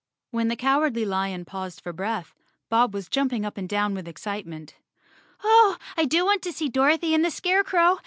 When the Cowardly Lion paused for breath Bob was jumping up and down with excitement. "Oh, I do want to see Dorothy and the Scarecrow!